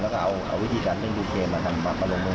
แล้วก็เอาวิธีการเป็นอยู่เกมมาทำปรับประโลกตรงข้างนี้นะ